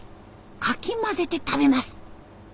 かき混ぜて食べます。